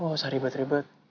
lo gak usah ribet ribet